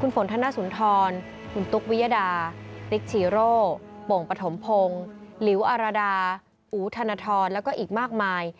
คุณฝนธนสุนทรคุณตุ๊กวิยดาติ๊กชีโร่โป่งปฐมพงศ์หลิวอารดาอู๋ธนทรแล้วก็อีกมากมาย